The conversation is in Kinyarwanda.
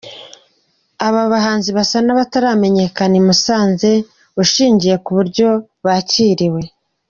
Aba bahanzi basa n’abataramenyekana i Musanze ushingiye ku buryo bakiriwe.